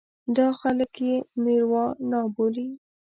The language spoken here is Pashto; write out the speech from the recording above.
دا خلک یې مېروانا بولي.